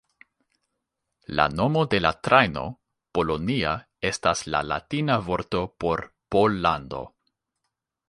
La nomo de la trajno, "Polonia", estas la latina vorto por "Pollando".